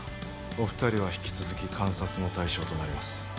お二人は引き続き観察の対象となります